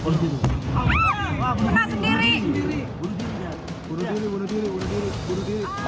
pernah sendiri pernah sendiri